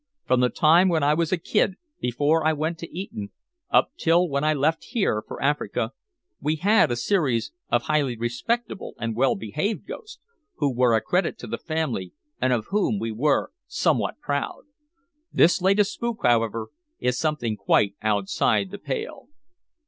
From the time when I was a kid, before I went to Eton, up till when I left here for Africa, we had a series of highly respectable and well behaved ghosts, who were a credit to the family and of whom we were somewhat proud. This latest spook, however, is something quite outside the pale."